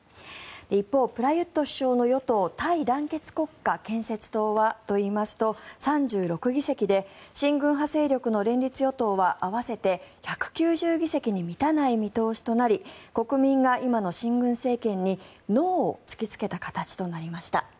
一方、プラユット首相の与党タイ団結国家建設党はといいますと３６議席で親軍派勢力の連立与党は合わせて１９０議席に満たない見通しとなり国民が今の親軍政権にノーを突きつけた形となりました。